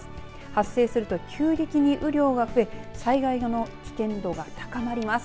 発生すると急激に雨量が増え災害の危険度が高まります。